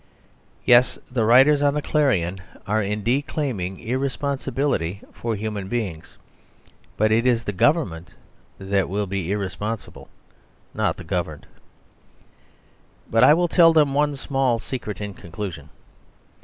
Yes; the writers on the "Clarion" are indeed claiming irresponsibility for human beings. But it is the governments that will be irresponsible, not the governed. But I will tell them one small secret in conclusion.